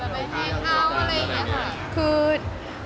ไปแทงเขาอะไรอย่างนี้ค่ะ